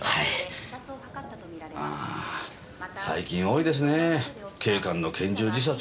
あ最近多いですねぇ警官の拳銃自殺。